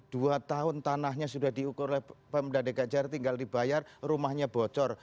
dua tahun tanahnya sudah diukur oleh pemprov dg jakarta tinggal dibayar rumahnya bocor